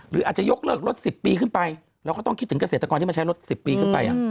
หรืออาจจะยกเลิกรถ๑๐ปีขึ้นไปเราก็ต้องคิดถึงเกษตรกรที่มาใช้รถ๑๐ปีขึ้นไป